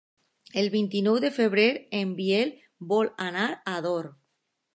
El vint-i-nou de febrer en Biel vol anar a Ador.